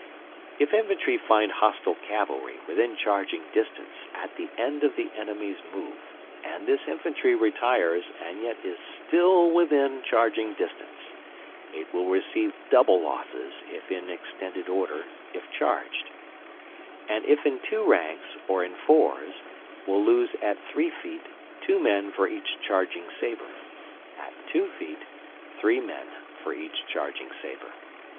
If infantry find hostile cavalry within charging distance at the end of the enemy's move, and this infantry retires and yet is still within charging distance, it will receive double losses if in extended order if charged; and if in two ranks or in fours, will lose at three feet two men for each charging sabre; at two feet, three men for each charging sabre.